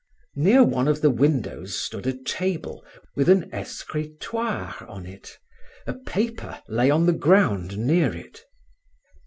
Near one of the windows stood a table, with an escrutoire on it; a paper lay on the ground near it.